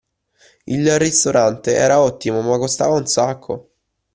Il ristorante era ottimo, ma costava un sacco.